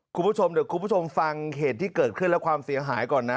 คุณผู้ชมเดี๋ยวคุณผู้ชมฟังเหตุที่เกิดขึ้นและความเสียหายก่อนนะ